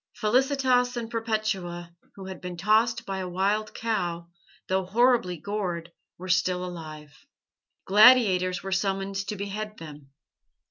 Felicitas and Perpetua, who had been tossed by a wild cow, though horribly gored, were still alive. Gladiators were summoned to behead them.